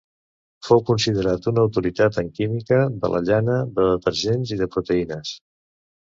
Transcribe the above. Fou considerat una autoritat en química de la llana, de detergents i de proteïnes.